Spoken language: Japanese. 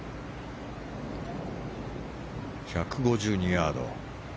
１５２ヤード。